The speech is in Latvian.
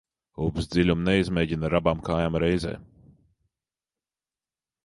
Upes dziļumu neizmēģina ar abām kājām reizē.